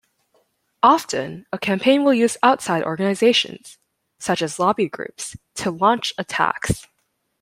Often a campaign will use outside organizations, such as lobby groups, to launch attacks.